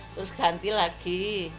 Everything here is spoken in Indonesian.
terus ganti lagi